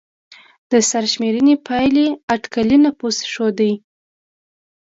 د سرشمېرنې پایلې اټکلي نفوس ښوده.